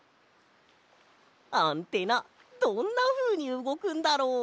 アンテナどんなふうにうごくんだろう？